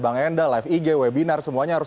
bang enda life ig webinar semuanya harus